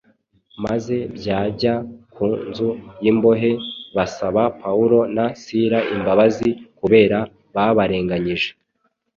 maze byajya ku nzu y’imbohe basaba Pawulo na Sila imbabazi kubera babarenganyije